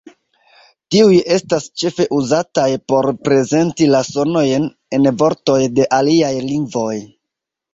Tiuj estas ĉefe uzataj por prezenti la sonojn en vortoj de aliaj lingvoj.